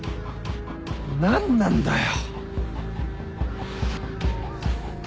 何なんだよ！？